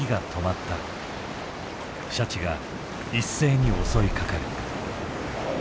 シャチが一斉に襲いかかる。